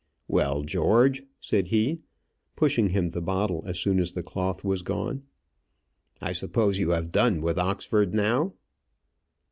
"Well, George," said he, pushing him the bottle as soon as the cloth was gone, "I suppose you have done with Oxford now?"